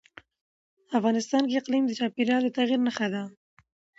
افغانستان کې اقلیم د چاپېریال د تغیر نښه ده.